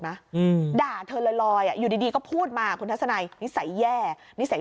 อืมด่าเธอลอยลอยอ่ะอยู่ดีดีก็พูดมาคุณทัศนัยนิสัยแย่นิสัย